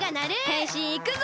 へんしんいくぞ！